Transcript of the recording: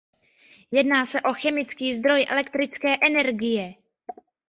Jedná se o chemický zdroj elektrické energie.